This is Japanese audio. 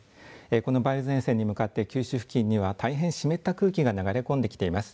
この梅雨前線に向かって九州付近には大変湿った空気が流れ込んできています。